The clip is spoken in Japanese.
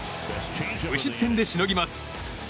無失点でしのぎます。